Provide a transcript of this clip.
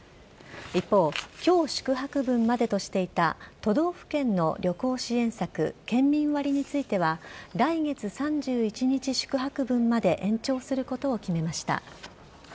一方、今日宿泊分までとしていた都道府県の旅行支援策県民割については来月３１日宿泊分まで延長することを決めました。